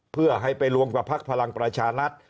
เพื่อให้ไปลวงกับพรรคพลังประชานัตริย์